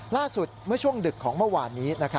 ล่าสุดเมื่อช่วงดึกของเมื่อวานนี้